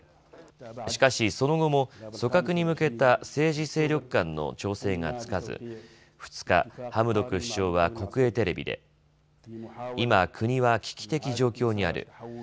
しかし、その後も組閣に向けた政治勢力間の調整がつかず２日ハムドク首相は国営テレビで今、国は危機的状況にある。